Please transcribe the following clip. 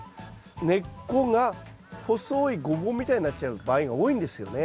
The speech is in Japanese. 根っこが細いゴボウみたいになっちゃう場合が多いんですよね。